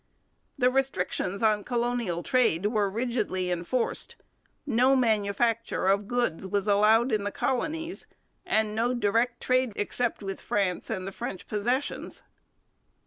The restrictions on colonial trade were rigidly enforced; no manufacture of goods was allowed in the colonies, and no direct trade except with France and French possessions.